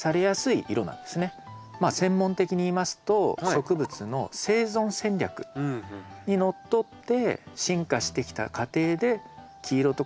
まあ専門的に言いますと植物の生存戦略にのっとって進化してきた過程で黄色とか白が生き残ってきたと。